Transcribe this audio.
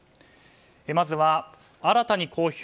まずは新たに公表